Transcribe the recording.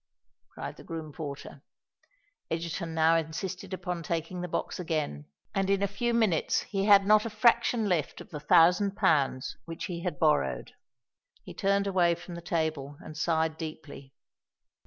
cried the groom porter. Egerton now insisted upon taking the box again; and in a few minutes he had not a fraction left of the thousand pounds which he had borrowed. He turned away from the table and sighed deeply.